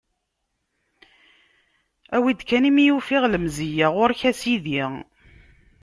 Awi-d kan imi i ufiɣ lemzeyya ɣur-k, a sidi.